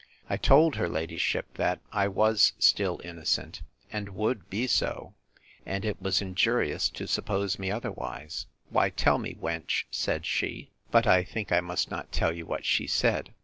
I told her ladyship, that I was still innocent, and would be so, and it was injurious to suppose me otherwise. Why, tell me, wench, said she—But I think I must not tell you what she said.